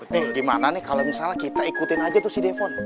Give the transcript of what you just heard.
nih gimana nih kalau misalnya kita ikutin aja tuh si defen